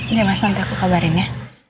nih mas tante aku kabarin ya